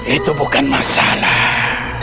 itu bukan masalah